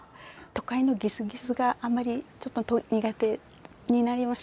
都会のギスギスがあまりちょっと苦手になりまして。